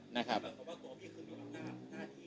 มีครับเพราะบริษัทเค้าเหมาะอำนาจให้ผมครับ